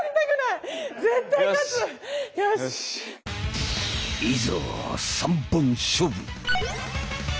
いざ３本勝負！